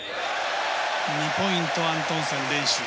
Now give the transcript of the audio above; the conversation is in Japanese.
２ポイントアントンセン連取。